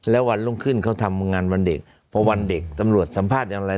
แล้ววันรุ่งขึ้นเขาทำงานวันเด็กพอวันเด็กตำรวจสัมภาษณ์อย่างไร